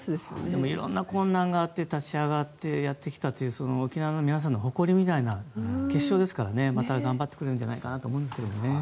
いろんな困難があって立ち上がってやってきたという沖縄の皆さんの誇りみたいなものの結晶ですからまた頑張ってくれるんじゃないかなと思います。